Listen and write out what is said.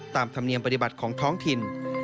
ธรรมเนียมปฏิบัติของท้องถิ่น